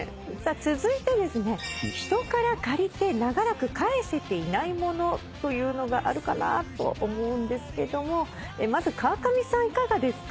続いてですね人から借りて長らく返せていないものというのがあるかなと思うんですけどもまず川上さんいかがですか？